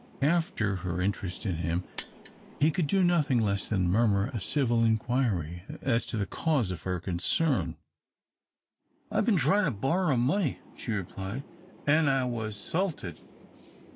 After her interest in him, he could do nothing less than murmur a civil inquiry as to the cause of her concern. "I've been tryin' to borrer money," she replied, "an' I was 'sulted."